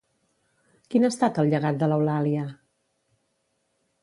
Quin ha estat el llegat de l'Eulàlia?